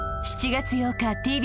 ７月８日